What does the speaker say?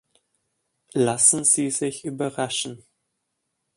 Lassen Sie sich überraschen.